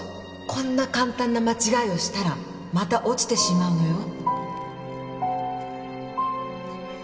こんな簡単な間違いをしたらまた落ちてしまうのよ